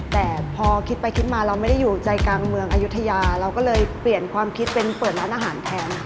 แต่พอคิดไปคิดมาเราไม่ได้อยู่ใจกลางเมืองอายุทยาเราก็เลยเปลี่ยนความคิดเป็นเปิดร้านอาหารแทน